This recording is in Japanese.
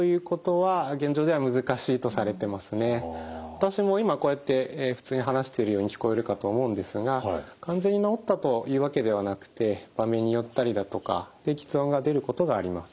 私も今こうやって普通に話してるように聞こえるかと思うんですが完全に治ったというわけではなくて場面によったりだとか吃音が出ることがあります。